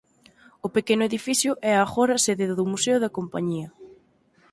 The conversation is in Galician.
O pequeno edificio é agora sede do museo da compañía.